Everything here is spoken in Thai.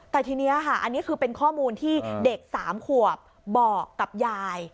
แต่ทีนี้ค่ะอันนี้คือเป็นข้อมูลที่เด็ก๓ขวบบอกกับยาย